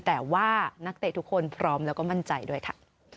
แต่ว่านักเตะทุกคนพร้อมแล้วก็มั่นใจด้วยค่ะ